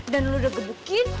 dan lo udah gebukin